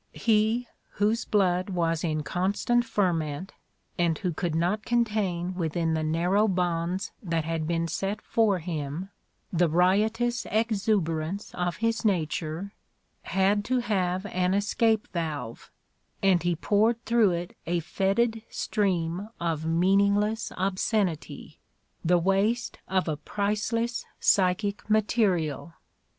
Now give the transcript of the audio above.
He, whose blood was in constant ferment and who could not contain within the narrow bonds that had been set for him the riotous exuberance of his nature, had to have an escape valve, and he poured through it a fetid stream of meaningless obscenity — the waste of a price less psychic material!